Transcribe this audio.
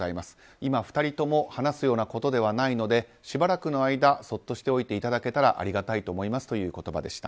今、２人とも話すようなことではないのでしばらくの間そっとしておいていただけたらありがたいと思いますという言葉でした。